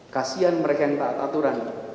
kasian mereka yang taat aturan